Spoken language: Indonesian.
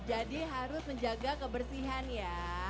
jadi harus menjaga kebersihan ya